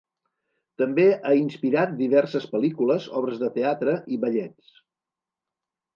També ha inspirat diverses pel·lícules, obres de teatre i ballets.